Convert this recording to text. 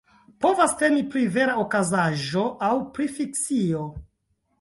Povas temi pri vera okazaĵo aŭ pri fikcio.